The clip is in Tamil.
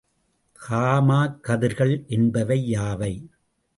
காமாகதிர்கள் என்பவை யாவை?